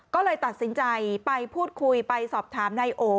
ก็เลยตัดสินใจไปพูดคุยไปสอบถามนายโอ